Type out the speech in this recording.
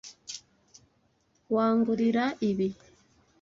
Wangurira ibi?